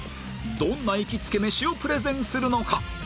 どんな行きつけメシをプレゼンするのか？